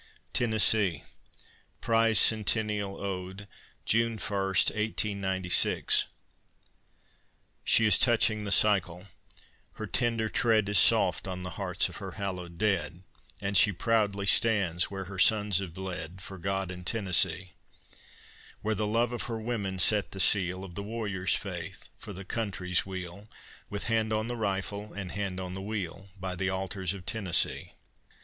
TENNESSEE PRIZE CENTENNIAL ODE [June 1, 1896] She is touching the cycle, her tender tread Is soft on the hearts of her hallowed dead, And she proudly stands where her sons have bled For God and Tennessee; Where the love of her women set the seal Of the warrior's faith for the country's weal, With hand on the rifle and hand on the wheel, By the altars of Tennessee.